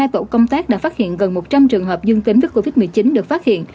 hai tổ công tác đã phát hiện gần một trăm linh trường hợp dương tính với covid một mươi chín được phát hiện